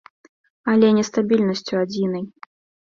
Але не стабільнасцю адзінай.